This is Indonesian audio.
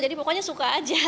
jadi pokoknya suka aja